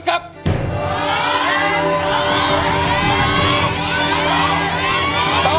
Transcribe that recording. ค่อยคิด